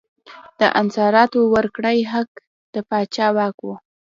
د انحصاراتو ورکړې حق د پاچا واک و.